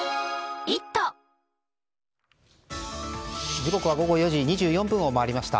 時刻は午後４時２４分を回りました。